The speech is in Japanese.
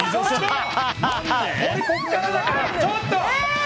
ちょっと！